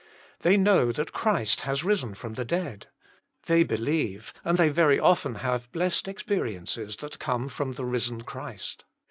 They know that Christ has risen from the dead. They believe, and they very often have blessed ex periences that come from the risen Christ.